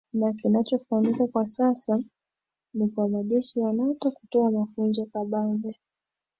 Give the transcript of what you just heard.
na kinachofanyika kwa sasa ni kwa majeshi ya nato kutoa mafunzo kabambe